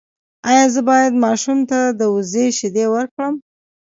ایا زه باید ماشوم ته د وزې شیدې ورکړم؟